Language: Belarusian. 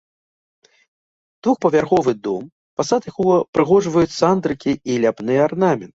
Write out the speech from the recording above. Двухпавярховы дом, фасад якога ўпрыгожваюць сандрыкі і ляпны арнамент.